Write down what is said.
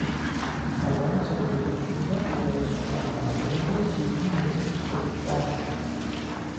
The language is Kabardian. Ауан сыкъызэрищӀымрэ къызэрысщӀэнакӀэмрэ си гум ешыкъылӀащ.